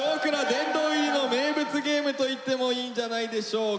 殿堂入りの名物ゲームといってもいいんじゃないでしょうか。